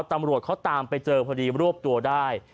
ตำรวจเขาตามไปเจอพอดีรวบตัวได้